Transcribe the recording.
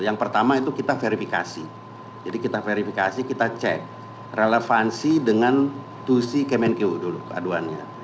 yang pertama itu kita verifikasi jadi kita verifikasi kita cek relevansi dengan tusi kemenkeu dulu ke aduannya